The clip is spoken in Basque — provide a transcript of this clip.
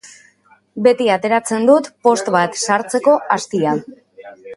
Beti ateratzen dut post bat sartzeko astia.